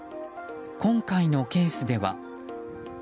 今回のケースでは。